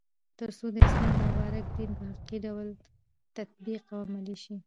ترڅو د اسلام مبارک دين په حقيقي ډول تطبيق او عملي سي